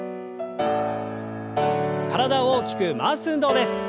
体を大きく回す運動です。